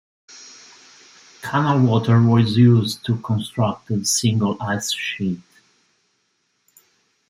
Canal water was used to construct the single ice sheet.